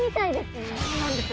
そうなんです。